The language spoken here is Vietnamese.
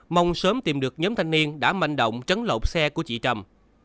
mong sớm tìm được nhóm thanh niên đã manh động chấn lột xe của chị trâm